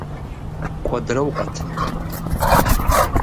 Куэдрэ укъэтыну?